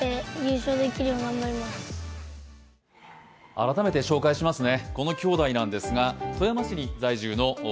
改めて紹介しますね。